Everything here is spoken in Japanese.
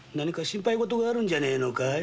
心配事があるんじゃねえのかい？